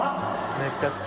めっちゃ好き。